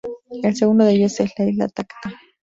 El segundo de ellos es la Isla Tacna.